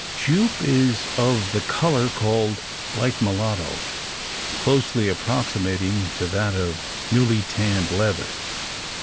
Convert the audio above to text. "Jupe" is of the colour called "light mulatto," closely approximating to that of newly tanned leather.